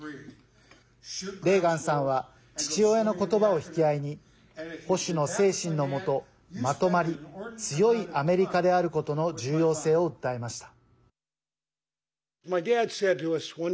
レーガンさんは父親の言葉を引き合いに保守の精神のもと、まとまり強いアメリカであることの重要性を訴えました。